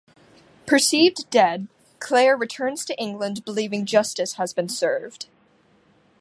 Perceived dead, Claire returns to England believing justice has been served.